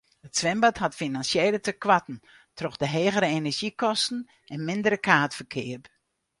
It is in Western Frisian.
It swimbad hat finansjele tekoarten troch de hegere enerzjykosten en mindere kaartferkeap.